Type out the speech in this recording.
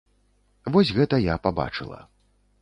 Вось гэта я пабачыла.